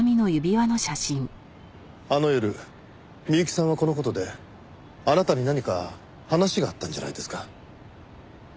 あの夜美由紀さんはこの事であなたに何か話があったんじゃないですか？